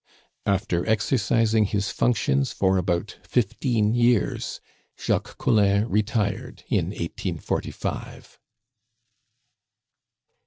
After exercising his functions for about fifteen years Jacques Collin retired in 1845. DECEMBER 1847.